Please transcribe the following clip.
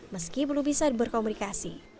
meski belum bisa berkomunikasi